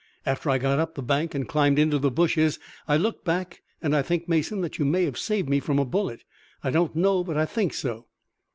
After I got up the bank and climbed into the bushes, I looked back, and I think, Mason, that you may have saved me from a bullet. I don't know, but I think so."